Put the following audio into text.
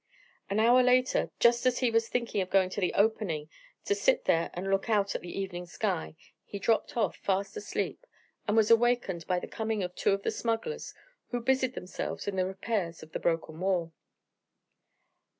An hour later, just as he was thinking of going to the opening to sit there and look out at the evening sky, he dropped off fast asleep, and was wakened by the coming of two of the smugglers, who busied themselves in the repairs of the broken wall.